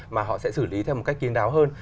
mà họ sẽ xử lý theo một cách kín đáo hơn